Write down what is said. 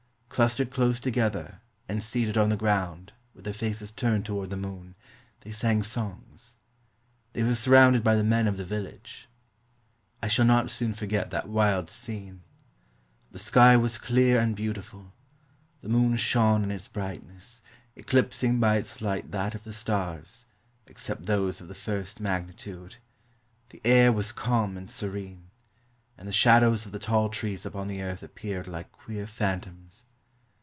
Clustered close together, and seated on the ground, with their faces turned toward the moon, they sang songs. They were surrounded by the men of the village. I shall not soon forget that wild scene. The sky was clear and beautiful ; the moon shone in its brightness, eclipsing by its light that of the stars, except those of the first magni tude ; the air was calm and serene, and the shadows of the tall trees upon the earth appeared like queer phantoms.